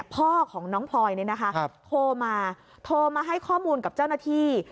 พ่อของน้องพลอยโทรมาโทรมาให้ข้อมูลกับเจ้าหน้าที่